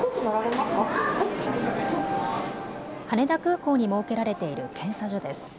羽田空港に設けられている検査所です。